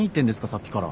さっきから。